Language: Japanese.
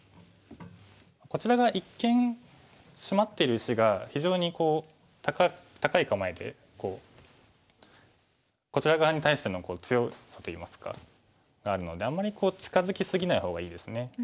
こちらが一間シマってる石が非常にこう高い構えでこちら側に対しての強さといいますかがあるのであんまりこう近づき過ぎない方がいいですね。